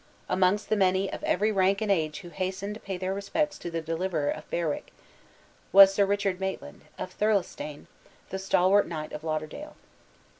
Amongst the many of every rank and age who hastened to pay their respects to the deliverer of Berwick, was Sir Richard Maitland, of Thirlestane, the Stawlart Knight of Lauderdale.